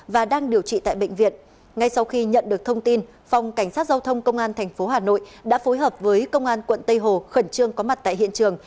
và đang điều trị tại bệnh viện ngay sau khi nhận được thông tin phòng cảnh sát giao thông công an tp hà nội đã phối hợp với công an quận tây hồ khẩn trương có mặt tại hiện trường